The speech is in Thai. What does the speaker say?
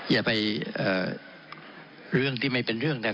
อย่าไปเรื่องที่ไม่เป็นเรื่องนะครับ